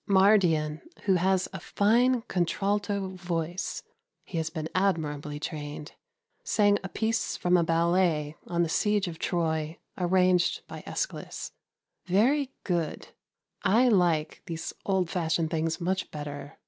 Mardian, who has a fine contralto voice (he has been admirably trained), sang a piece from a ballet on the siege of Troy arranged by Æschylus. Very good. I like those old fashioned things much better.